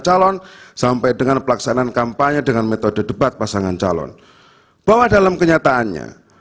calon sampai dengan pelaksanaan kampanye dengan metode debat pasangan calon bahwa dalam kenyataannya